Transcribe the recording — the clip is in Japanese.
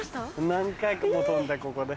何回も飛んだここで。